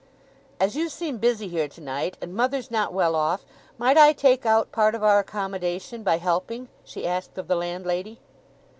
"As you seem busy here to night, and mother's not well off, might I take out part of our accommodation by helping?" she asked of the landlady.